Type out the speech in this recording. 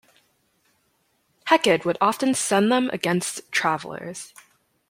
Hecate would often send them against travelers.